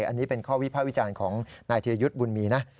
อันนี้เป็นข้อวิภาควิจารณ์ของนายธีรยุทธ์บุญมีนะ